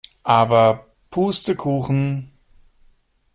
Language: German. Aber Pustekuchen!